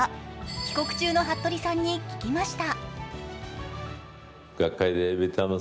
帰国中の服部さんに聞きました。